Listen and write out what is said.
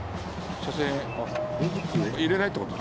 車線入れないって事